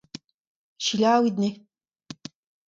Selaouit anezho.